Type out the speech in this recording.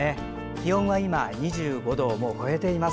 気温は今２５度をもう超えています。